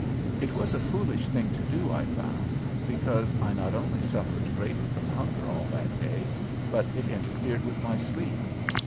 It was a foolish thing to do, I found, because I not only suffered greatly from hunger all that day, but it interfered with my sleep.